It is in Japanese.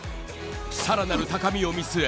更なる高みを見据え